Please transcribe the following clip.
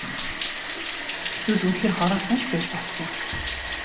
Эсвэл үнэхээр хороосон ч байж болох юм.